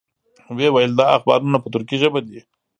وې ویل دا اخبارونه په تُرکي ژبه دي.